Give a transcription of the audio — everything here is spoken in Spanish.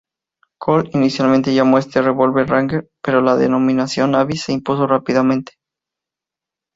Colt inicialmente llamó a este revólver Ranger, pero la denominación Navy se impuso rápidamente.